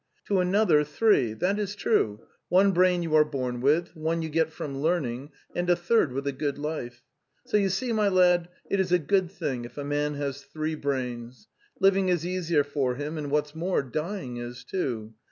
. To another three, that is true. ... One brain you are born with, one you get from learning, and a third with a good life. So you see, my lad, it is a good thing if a man has three brains. Living is easier for him, and, what's more, dying is, too.